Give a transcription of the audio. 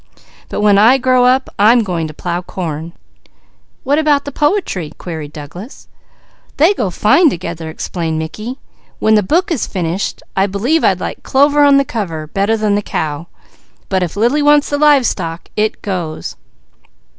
But when I grow up I'm going to plow corn." "What about the poetry?" queried Douglas. "They go together fine," explained Mickey. "When the book is finished, I'd like clover on the cover better than the cow; but if Lily wants the live stock it goes!"